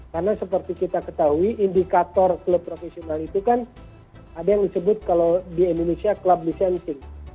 karena seperti kita ketahui indikator klub profesional itu kan ada yang disebut kalau di indonesia klub licensing